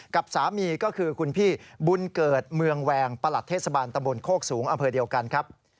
กับสามีก็คือคุณพี่บุญเกิดเมืองแวงประหลัดเทศบาลตะบนโคกสูงอำเภอเดียวกันครับ